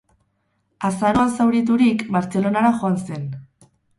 Azaroan zauriturik, Bartzelonara joan zen.